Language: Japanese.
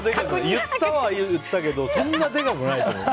言ったは言ったけどそんなでかくないと思う。